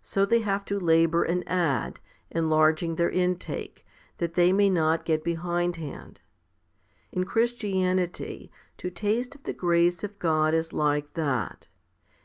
So they have to labour and add, enlarging their intake, that they may not get behindhand. In Christianity, to taste of the grace of God is like that.